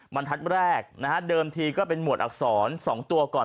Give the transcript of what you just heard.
บรรทัศน์แรกนะฮะเดิมทีก็เป็นหมวดอักษร๒ตัวก่อน